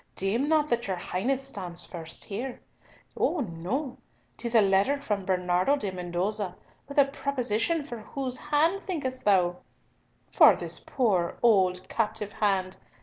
Deem not that your Highness stands first here! Oh no! 'Tis a letter from Bernardo de Mendoza with a proposition for whose hand thinkest thou? For this poor old captive hand!